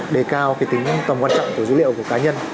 đề cao tính tầm quan trọng của dữ liệu của cá nhân